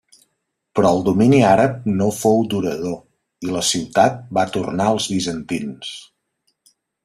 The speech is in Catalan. Però el domini àrab no fou durador i la ciutat va tornar als bizantins.